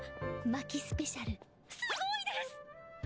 マキスペシャルすごいです！